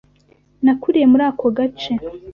Nakuriye muri ako gace.